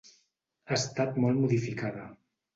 Ha estat molt modificada.